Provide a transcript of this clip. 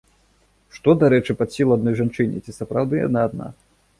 Што, дарэчы, пад сілу адной жанчыне і ці сапраўды яна адна?